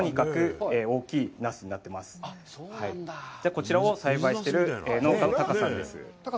こちらを栽培している農家の高さんです。